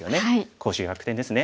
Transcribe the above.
攻守逆転ですね。